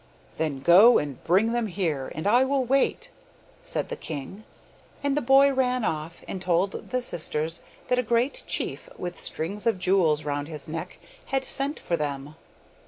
'Then go and bring them here, and I will wait,' said the king, and the boy ran off and told the sisters that a great chief, with strings of jewels round his neck, had sent for them.